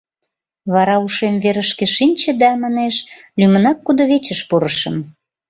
Вара ушем верышке шинче да, манеш, лӱмынак кудывечыш пурышым.